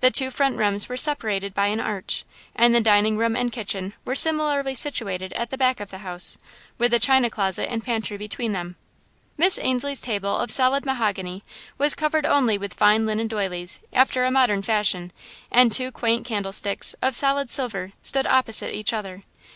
The two front rooms were separated by an arch, and the dining room and kitchen were similarly situated at the back of the house, with a china closet and pantry between them. Miss Ainslie's table, of solid mahogany, was covered only with fine linen doilies, after a modern fashion, and two quaint candlesticks, of solid silver, stood opposite each other.